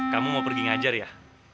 kamu mau pergi ngajar ya